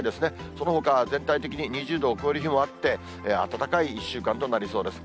そのほかは全体的に２０度を超える日もあって、暖かい１週間となりそうです。